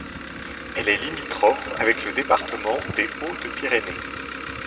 Elle est limitrophe avec le département des Hautes-Pyrénées.